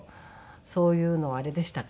そういうのあれでしたからね。